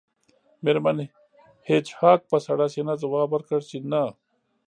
میرمن هیج هاګ په سړه سینه ځواب ورکړ چې نه